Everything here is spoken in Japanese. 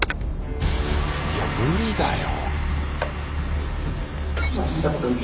いや無理だよ。